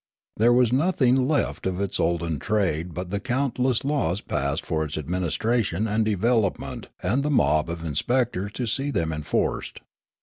There was nothing left of its olden trade but the countless laws passed for its administration and devel opment and the mob of inspectors to see them enforced.